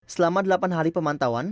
selama delapan hari pemantauan